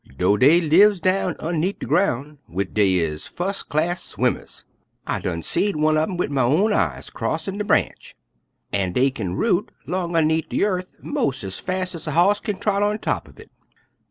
Dough dey lives down un'need de groun', yit dey is fus'class swimmers; I done seed one, wid my own eyes, crossin' de branch, an' dey kin root 'long un'need de yearf mos' ez fas' ez a hoss kin trot on top uv hit.